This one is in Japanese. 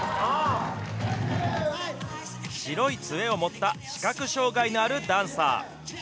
白いつえを持った視覚障害のあるダンサー。